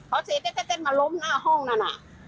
เขาเจ๋นเต็ดมาล้มข้างห้องนั่น